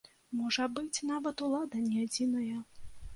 Можа быць, нават улада не адзінае.